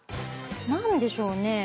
何でしょうね。